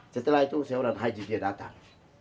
setelah itu seorang haji dia datang